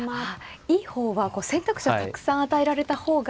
いい方は選択肢をたくさん与えられた方が。